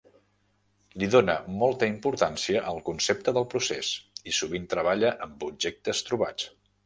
Li dóna molta importància al concepte del procés, i sovint treballa amb objectes trobats.